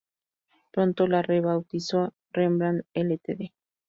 Pronto la rebautizó Rembrandt Ltd.